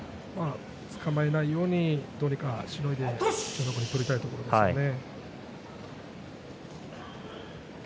つかまえないようにどうにかしのいで千代の国取りたいところですね。